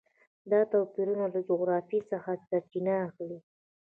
دا توپیرونه له جغرافیې څخه سرچینه اخلي.